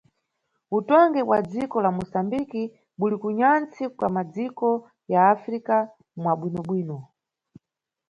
Utongi bwa dziko la Moçambique buli ku nyantsi kwa, madziko ya Africa, mwa bwino-bwino.